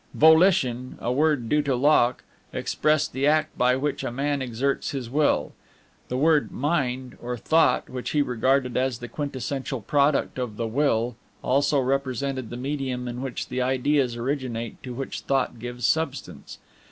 Volition a word due to Locke expressed the act by which a man exerts his will. The word Mind, or Thought, which he regarded as the quintessential product of the Will, also represented the medium in which the ideas originate to which thought gives substance.